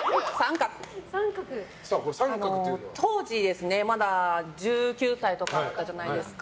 当時、まだ１９歳とかだったじゃないですか。